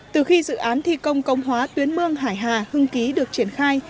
từ khi dự án thi công cống hóa tuyến mương hải hà hương ký được triển khai